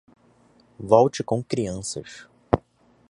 Volte com crianças.